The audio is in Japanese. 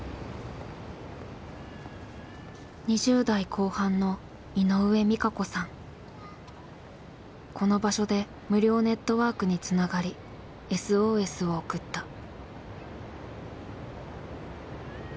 ２０代後半のこの場所で無料ネットワークにつながりＳＯＳを送った。